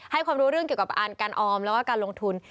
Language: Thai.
ความรู้เรื่องเกี่ยวกับการออมแล้วก็การลงทุน